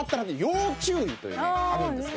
要注意というねあるんですけど。